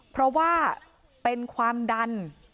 เพราะว่าเป็นความดัน